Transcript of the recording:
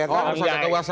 oh ada kuasa